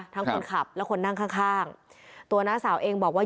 ทั้งคนขับและคนนั่งข้างตัวหน้าสาวเองบอกว่า